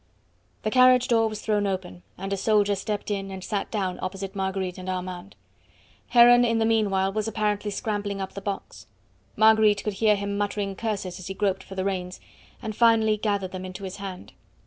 The carriage door was thrown open, and a soldier stepped in and sat down opposite Marguerite and Armand. Heron in the meanwhile was apparently scrambling up the box. Marguerite could hear him muttering curses as he groped for the reins, and finally gathered them into his hand.